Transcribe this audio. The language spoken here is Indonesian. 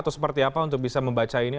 atau seperti apa untuk bisa membaca ini